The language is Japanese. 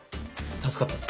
助かった。